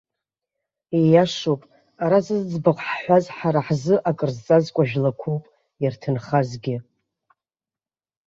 Ииашоуп, ара зыӡбахә ҳҳәаз ҳара ҳзы акыр зҵазкуа жәлақәоуп, ирҭынхазгьы.